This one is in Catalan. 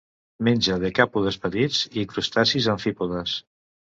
Menja decàpodes petits i crustacis amfípodes.